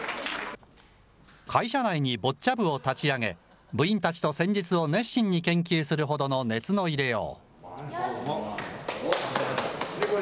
会社内にボッチャ部を立ち上げ、部員たちと戦術を熱心に研究するほどの熱の入れよう。